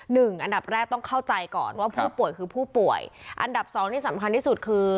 อันดับแรกต้องเข้าใจก่อนว่าผู้ป่วยคือผู้ป่วยอันดับสองที่สำคัญที่สุดคือ